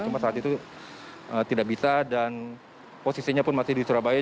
cuma saat itu tidak bisa dan posisinya pun masih di surabaya